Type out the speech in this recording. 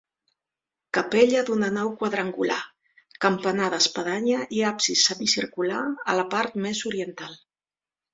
Capella d’una nau quadrangular, campanar d'espadanya i absis semicircular a la part més oriental.